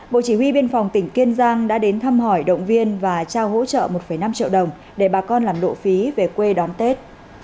bộ chỉ huy biên phòng tỉnh kiên giang đã đến thăm hỏi động viên và trao hỗ trợ một năm triệu đồng để bà con làm lộ phí về quê đón tết